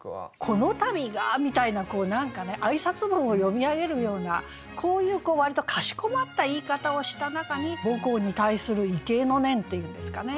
「このたびが」みたいなこう何かね挨拶文を読み上げるようなこういう割とかしこまった言い方をした中に母校に対する畏敬の念っていうんですかね。